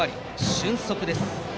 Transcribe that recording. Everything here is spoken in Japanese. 俊足です。